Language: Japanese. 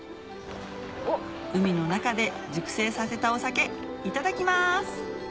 海の中で熟成させたお酒いただきます